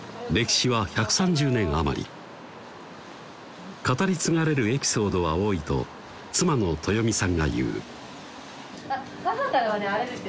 歴史は１３０年余り語り継がれるエピソードは多いと妻の豊美さんが言うあっ